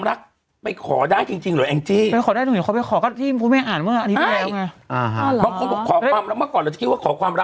รักไม่ขอได้จริงจริงหรอแองจี้เป็นขอได้ถึงหรือเขา